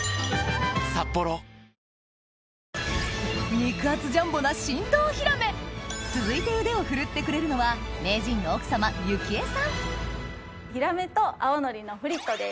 肉厚ジャンボな続いて腕を振るってくれるのは名人のヒラメと青のりのフリットです。